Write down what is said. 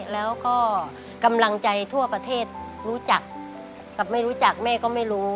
แล้วก็กำลังใจทั่วประเทศรู้จักกับไม่รู้จักแม่ก็ไม่รู้